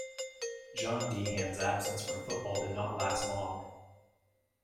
John Deehan's absence from football did not last long.